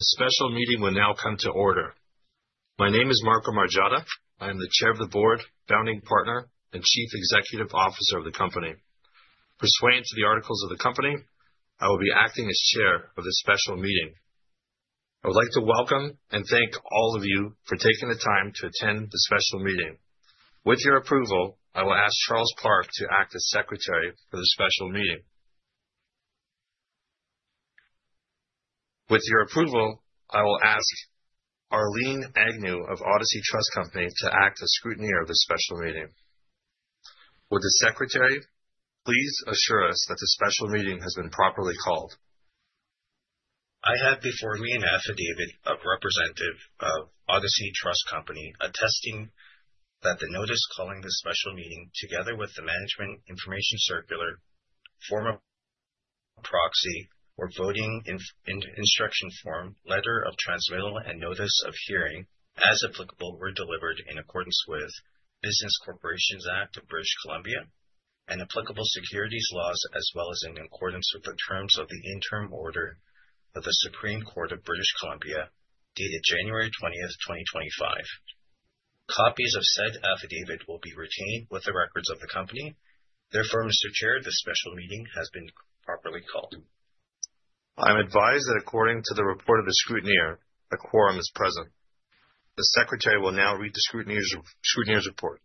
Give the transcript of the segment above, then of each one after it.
The special meeting will now come to order. My name is Marco Margiotta. I am the Chair of the Board, Founding Partner, and Chief Executive Officer of the company. Pursuant to the articles of the company, I will be acting as chair of this special meeting. I would like to welcome and thank all of you for taking the time to attend the special meeting. With your approval, I will ask Charles Park to act as Secretary for the special meeting. With your approval, I will ask Arlene Agnew of Odyssey Trust Company to act as Scrutineer of the special meeting. Will the Secretary please assure us that the special meeting has been properly called? I have before me an affidavit of representative of Odyssey Trust Company, attesting that the notice calling this special meeting, together with the Management Information Circular, Form of Proxy or Voting Instruction Form, Letter of Transmittal, and Notice of Hearing, as applicable, were delivered in accordance with Business Corporations Act of British Columbia and applicable securities laws, as well as in accordance with the terms of the interim order of the Supreme Court of British Columbia, dated January 20th, 2025. Copies of said affidavit will be retained with the records of the company. Therefore, Mr. Chair, this special meeting has been properly called. I'm advised that according to the report of the Scrutineer, a quorum is present. The Secretary will now read the Scrutineer's report.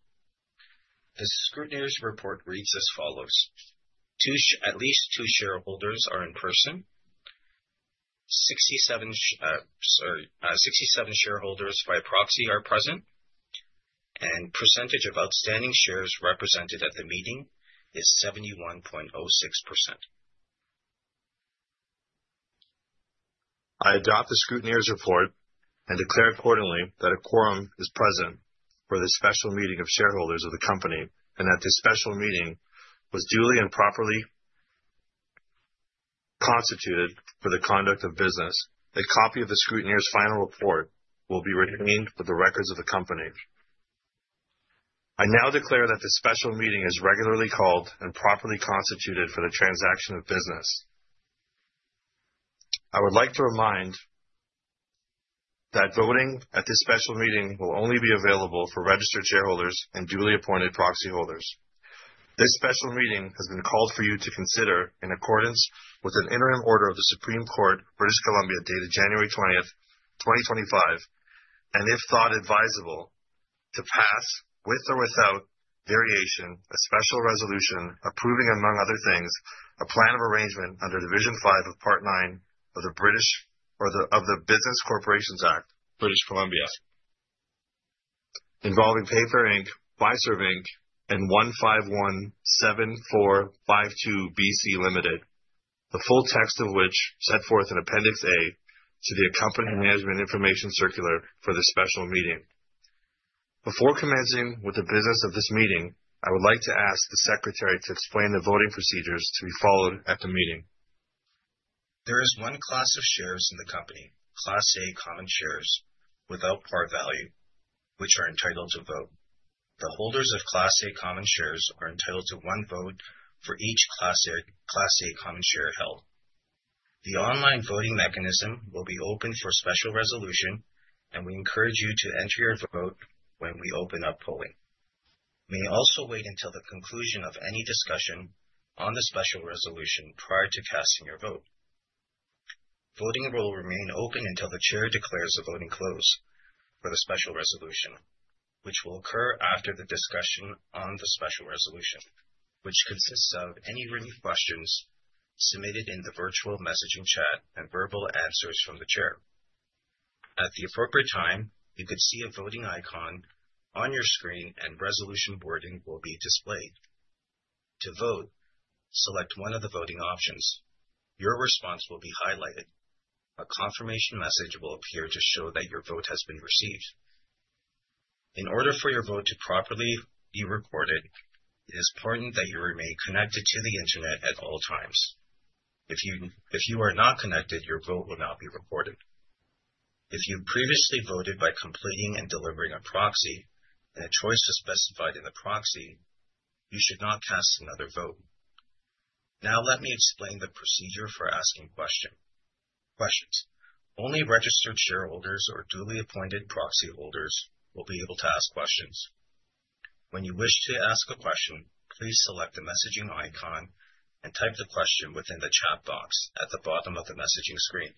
The Scrutineer's report reads as follows: at least two shareholders are in person, sorry. 67 shareholders by proxy are present. Percentage of outstanding shares represented at the meeting is 71.06%. I adopt the Scrutineer's report and declare accordingly that a quorum is present for this special meeting of shareholders of the company and that this special meeting was duly and properly constituted for the conduct of business. A copy of the Scrutineer's final report will be retained for the records of the company. I now declare that the special meeting is regularly called and properly constituted for the transaction of business. I would like to remind that voting at this special meeting will only be available for registered shareholders and duly appointed proxy holders. This special meeting has been called for you to consider in accordance with an interim order of the Supreme Court of British Columbia, dated January 20th, 2025, and if thought advisable, to pass, with or without variation, a special resolution approving, among other things, a plan of arrangement under Division 5 of Part 9 of the Business Corporations Act, British Columbia, involving Payfare Inc., Fiserv, Inc., and 1517452 B.C. Ltd., the full text of which set forth in Appendix A to the accompanying Management Information Circular for this special meeting. Before commencing with the business of this meeting, I would like to ask the Secretary to explain the voting procedures to be followed at the meeting. There is one class of shares in the company, Class A common shares, without par value, which are entitled to vote. The holders of Class A common shares are entitled to one vote for each Class A common share held. The online voting mechanism will be open for special resolution, and we encourage you to enter your vote when we open up polling. You may also wait until the conclusion of any discussion on the special resolution prior to casting your vote. Voting will remain open until the Chair declares the voting closed for the special resolution, which will occur after the discussion on the special resolution, which consists of any remaining questions submitted in the virtual messaging chat and verbal answers from the Chair. At the appropriate time, you could see a voting icon on your screen and resolution voting will be displayed. To vote, select one of the voting options. Your response will be highlighted. A confirmation message will appear to show that your vote has been received. In order for your vote to properly be recorded, it is important that you remain connected to the internet at all times. If you are not connected, your vote will not be recorded. If you previously voted by completing and delivering a proxy and a choice is specified in the proxy, you should not cast another vote. Let me explain the procedure for asking questions. Only registered shareholders or duly appointed proxy holders will be able to ask questions. When you wish to ask a question, please select the messaging icon and type the question within the chat box at the bottom of the messaging screen.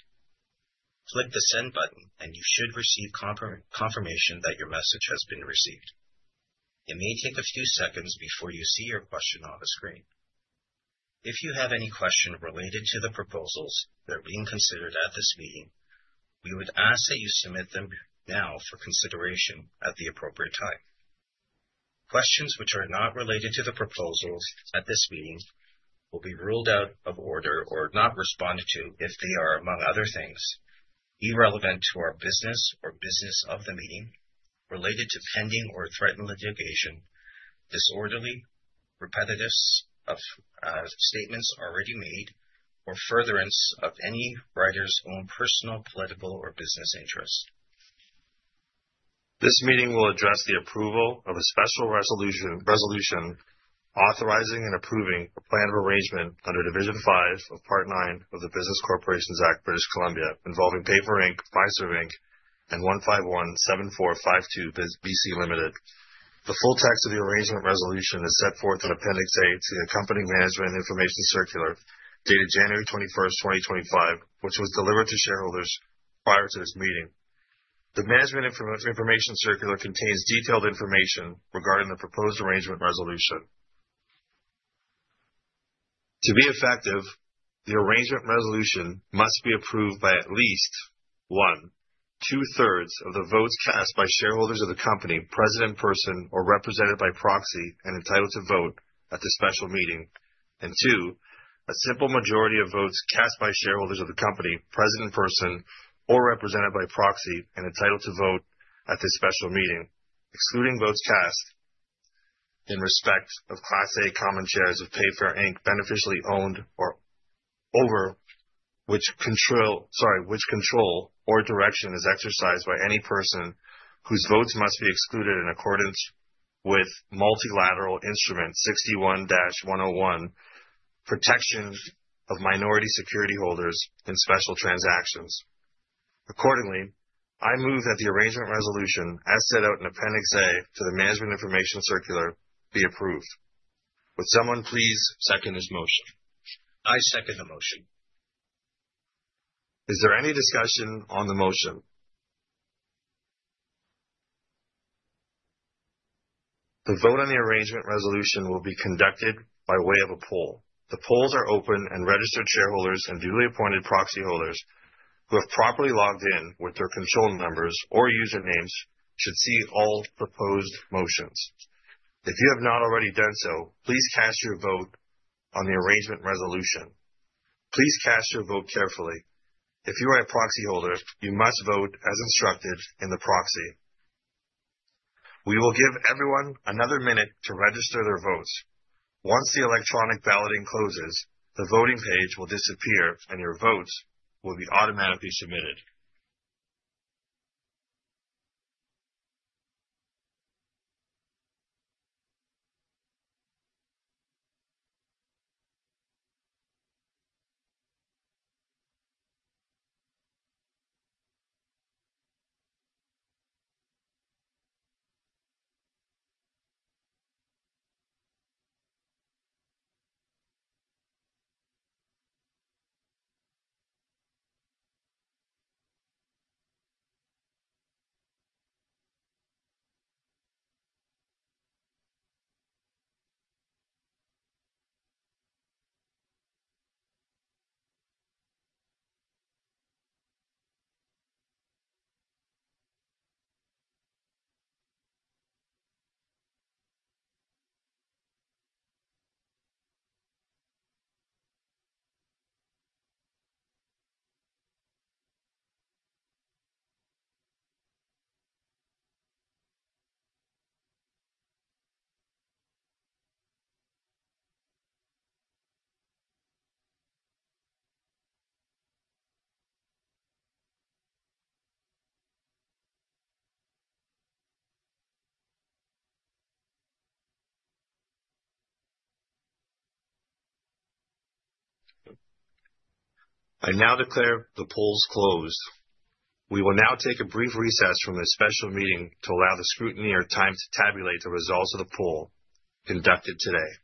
Click the send button, you should receive confirmation that your message has been received. It may take a few seconds before you see your question on the screen. If you have any question related to the proposals that are being considered at this meeting, we would ask that you submit them now for consideration at the appropriate time. Questions which are not related to the proposals at this meeting will be ruled out of order or not responded to if they are, among other things, irrelevant to our business or business of the meeting, related to pending or threatened litigation, disorderly, repetitive of statements already made, or furtherance of any writer's own personal, political, or business interest. This meeting will address the approval of a special resolution authorizing and approving a plan of arrangement under Division 5 of Part 9 of the Business Corporations Act, British Columbia, involving Payfare Inc., Fiserv, Inc., and 1517452 B.C. Ltd. The full text of the arrangement resolution is set forth in Appendix A to the accompanying Management Information Circular dated January 21st, 2025, which was delivered to shareholders prior to this meeting. The Management Information Circular contains detailed information regarding the proposed arrangement resolution. To be effective, the arrangement resolution must be approved by at least one, 2/3 of the votes cast by shareholders of the company, present in person or represented by proxy and entitled to vote at this special meeting. Two, a simple majority of votes cast by shareholders of the company, present in person or represented by proxy and entitled to vote at this special meeting, excluding votes cast in respect of Class A common shares of Payfare Inc. beneficially owned or over which control or direction is exercised by any person whose votes must be excluded in accordance with Multilateral Instrument 61-101, Protection of Minority Security Holders in Special Transactions. Accordingly, I move that the arrangement resolution, as set out in Appendix A to the Management Information Circular, be approved. Would someone please second this motion? I second the motion. Is there any discussion on the motion? The vote on the arrangement resolution will be conducted by way of a poll. The polls are open and registered shareholders and duly appointed proxy holders who have properly logged in with their control numbers or usernames should see all proposed motions. If you have not already done so, please cast your vote on the arrangement resolution. Please cast your vote carefully. If you are a proxy holder, you must vote as instructed in the proxy. We will give everyone another minute to register their votes. Once the electronic balloting closes, the voting page will disappear and your votes will be automatically submitted. I now declare the polls closed. We will now take a brief recess from this special meeting to allow the scrutineer time to tabulate the results of the poll conducted today.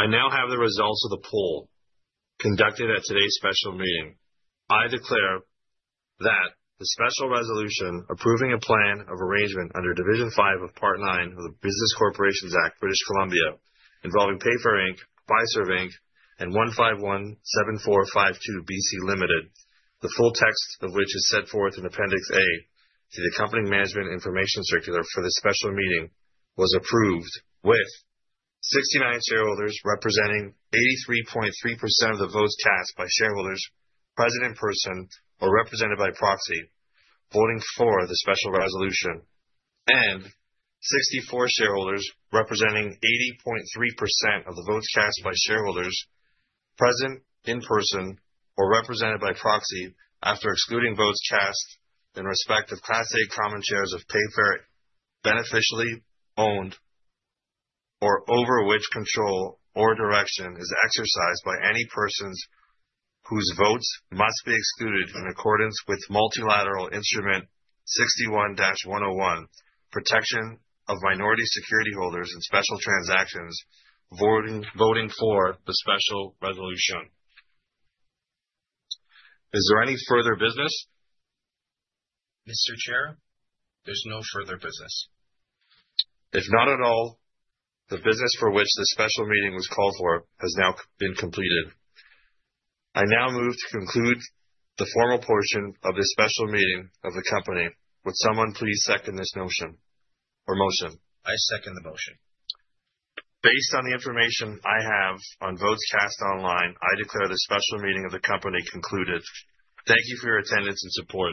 I now have the results of the poll conducted at today's special meeting. I declare that the special resolution approving a plan of arrangement under Division 5 of Part 9 of the Business Corporations Act, British Columbia, involving Payfare Inc., Fiserv, Inc., and 1517452 B.C. Ltd., the full text of which is set forth in Appendix A to the accompanying Management Information Circular for this special meeting, was approved with 69 shareholders representing 83.3% of the votes cast by shareholders present in person or represented by proxy, voting for the special resolution. 64 shareholders representing 80.3% of the votes cast by shareholders present in person or represented by proxy. After excluding votes cast in respect of Class A common shares of Payfare beneficially owned or over which control or direction is exercised by any persons whose votes must be excluded in accordance with Multilateral Instrument 61-101, Protection of Minority Security Holders in Special Transactions, voting for the special resolution. Is there any further business? Mr. Chair, there's no further business. If not at all, the business for which this special meeting was called for has now been completed. I now move to conclude the formal portion of this special meeting of the company. Would someone please second this notion or motion? I second the motion. Based on the information I have on votes cast online, I declare this special meeting of the company concluded. Thank you for your attendance and support.